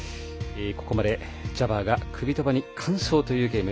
ここまでジャバーがクビトバに快勝というゲーム。